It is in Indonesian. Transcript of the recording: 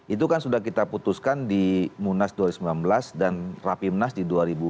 itu kan sudah kita putuskan di munas dua ribu sembilan belas dan rapimnas di dua ribu sembilan belas